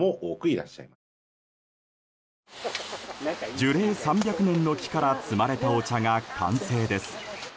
樹齢３００年の木から摘まれたお茶が完成です。